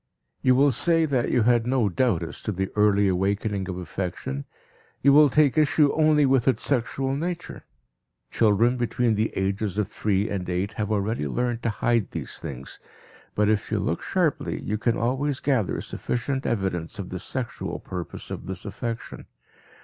You will say that you had no doubt as to the early awakening of affection, you will take issue only with its sexual nature. Children between the ages of three and eight have already learned to hide these things, but if you look sharply you can always gather sufficient evidence of the "sexual" purpose of this affection.